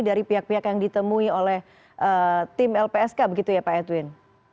dari pihak pihak yang ditemui oleh tim lpsk begitu ya pak edwin